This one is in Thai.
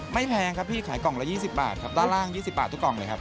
แพงครับพี่ขายกล่องละ๒๐บาทครับด้านล่าง๒๐บาททุกกล่องเลยครับ